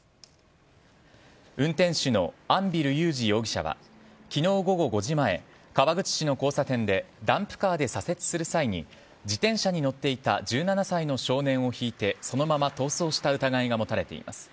運転手の安蒜裕二容疑者は昨日午後５時前川口市の交差点でダンプカーで左折する際に自転車に乗っていた１７歳の少年をひいてそのまま逃走した疑いが持たれています。